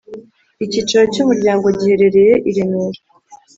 Icyicaro cy umuryango giherereye i Remera